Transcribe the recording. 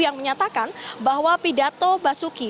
yang menyatakan bahwa pidato basuki